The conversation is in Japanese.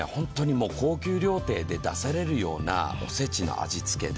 高級料亭で出されるようなおせちの味付けで。